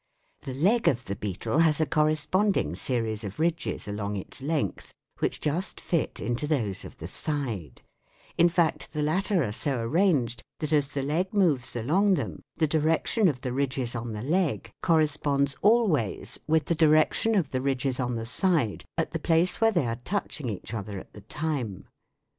The leg of the beetle has a corre sponding series of ridges along its length which just fit into SOUNDS OF THE COUNTRY 103 those of the side ; in fact, the latter are so arranged that as the leg moves along them the direction of the ridges on the leg corresponds always with the direction of the ridges on the side at the place where they are touching each other at the time.